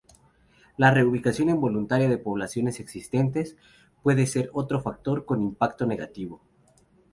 La reubicación involuntaria de poblaciones existentes puede ser otro factor con impacto negativo.